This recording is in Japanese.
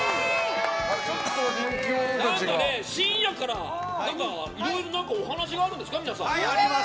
何と深夜からいろいろお話があるんですか。